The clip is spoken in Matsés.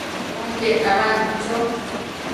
onquec tabadnu cho